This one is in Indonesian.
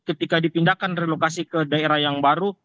ketika dipindahkan relokasi ke daerah yang baru